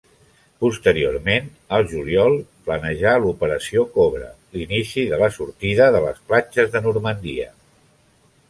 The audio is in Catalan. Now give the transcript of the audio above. Posteriorment, al juliol, planejà l'Operació Cobra, l'inici de la sortida de les platges de Normandia.